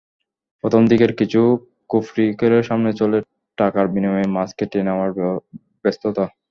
প্রথম দিকের কিছু খুপরিঘরের সামনে চলছে টাকার বিনিময়ে মাছ কেটে নেওয়ার ব্যস্ততা।